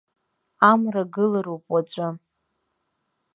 Амра гылароуп уаҵәы.